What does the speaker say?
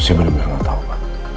saya benar benar nggak tahu pak